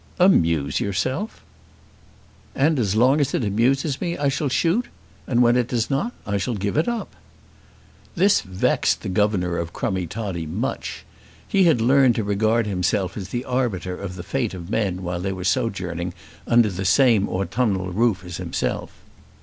"Amuse yourself!" "And as long as it amuses me I shall shoot, and when it does not I shall give it up." This vexed the governor of Crummie Toddie much. He had learned to regard himself as the arbiter of the fate of men while they were sojourning under the same autumnal roof as himself.